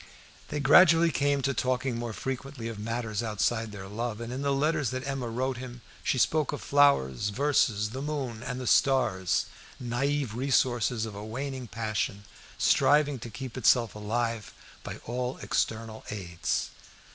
They gradually came to talking more frequently of matters outside their love, and in the letters that Emma wrote him she spoke of flowers, verses, the moon and the stars, naive resources of a waning passion striving to keep itself alive by all external aids.